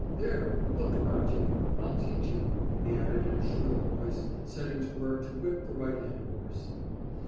there! look about you.... I'll teach you,' he added in a shrill voice, setting to work to whip the right hand horse.